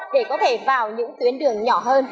để có thể vào những tuyến đường nhỏ hơn